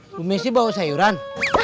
ibu messi bawa sayuran